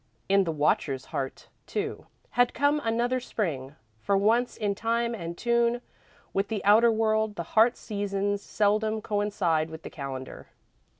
In the watcher's heart, too, had come another Spring, for once in time and tune with the outer world. The heart's seasons seldom coincide with the calendar.